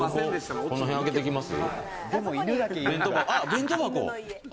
弁当箱。